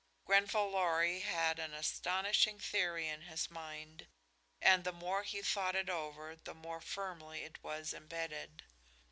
Grenfall Lorry had an astonishing theory in his mind, and the more he thought it over the more firmly it was imbedded.